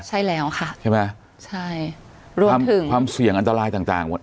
ใช่แล้วค่ะใช่ไหมใช่รวมถึงความเสี่ยงอันตรายต่างต่างหมด